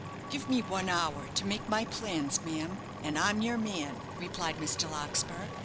"Give me one hour to make my plans, ma'am, and I'm your man," replied Mr. Larkspur.